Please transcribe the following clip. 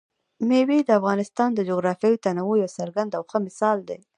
مېوې د افغانستان د جغرافیوي تنوع یو څرګند او ښه مثال دی.